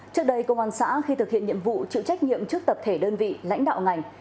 trước đây công an xã khi thực hiện nhiệm vụ chịu trách nhiệm trước tập thể đơn vị lãnh đạo ngành